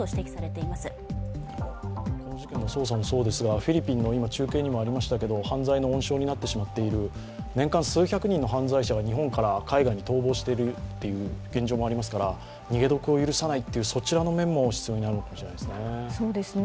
フィリピンの中継にもありましたが、犯罪の温床にもなってしまっている年間数百人の犯罪者が日本から海外へ逃亡しているということもありますから逃げ得を許さないというそちらの面も必要になるかもしれませんね。